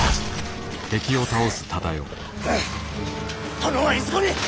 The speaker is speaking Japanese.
殿はいずこに！？